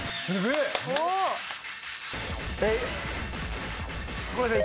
えっ？ごめんなさい。